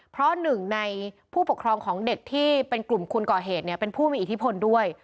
เพราะหนึ่งในผู้ปกครองของเด็กที่เป็นกลุ่มคนก่อเหตุเป็นผู้มีอิทธิพลด้วย